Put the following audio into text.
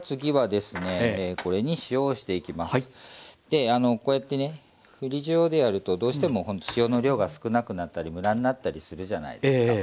であのこうやってね振り塩でやるとどうしてもほんと塩の量が少なくなったりムラになったりするじゃないですか。